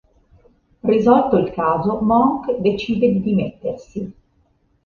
Risolto il caso Monk decide di dimettersi.